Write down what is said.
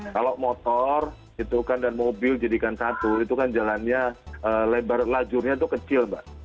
kalau motor dan mobil jadikan satu itu kan jalannya lebar lajurnya itu kecil mbak